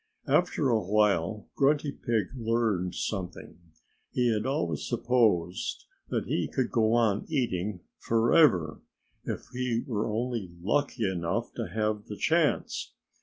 After a while Grunty Pig learned something. He had always supposed that he could go on eating forever, if he were only lucky enough to have the chance.